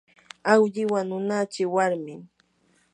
awlli wanunachi warmin.